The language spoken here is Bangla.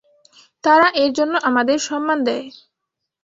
তারা এরজন্য আমাদের সম্মান দেয়।